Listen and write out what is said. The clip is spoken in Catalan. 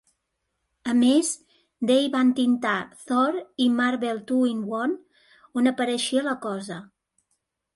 A més, Day va entintar "Thor" i "Marvel Two-in-One", on apareixia la Cosa.